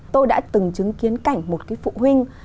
tôi đã từng chứng kiến cảnh một cái phụ huynh